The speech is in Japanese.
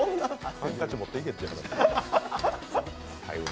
ハンカチ持っていけって話。